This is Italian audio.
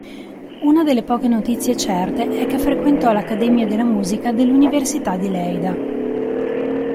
Una delle poche notizie certe è che frequentò l'Accademia della Musica dell'Università di Leida.